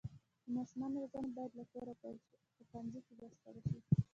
د ماشومانو روزنه باید له کوره پیل شي او په ښوونځي کې بشپړه شي.